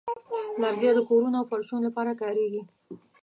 لرګی د کورونو فرشونو لپاره کاریږي.